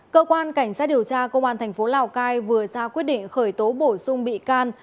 cơ quan cảnh sát điều tra công an thành phố lào cai vừa ra quyết định khởi tố bổ sung bị can